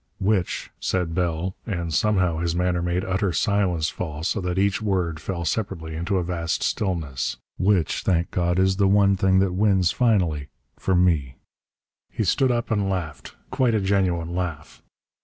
"Which," said Bell and somehow his manner made utter silence fall so that each word fell separately into a vast stillness "which, thank God, is the one thing that wins finally, for me!" He stood up and laughed. Quite a genuine laugh.